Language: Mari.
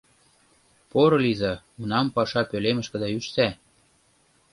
Порылийза, унам паша пӧлемышкыда ӱжса.